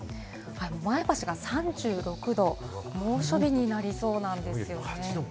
前橋が３６度、猛暑日になりそうなんですよね。